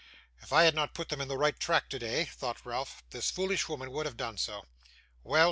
'If I had not put them in the right track today,' thought Ralph, 'this foolish woman would have done so. Well.